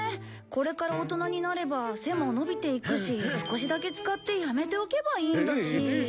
これから大人になれば背も伸びていくし少しだけ使ってやめておけばいいんだし。